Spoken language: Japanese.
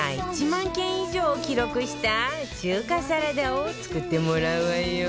１万件以上を記録した中華サラダを作ってもらうわよ